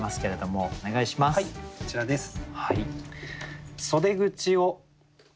はいこちらです。